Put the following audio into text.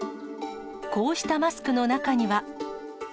こうしたマスクの中には。